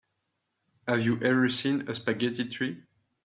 Have you ever seen a spaghetti tree?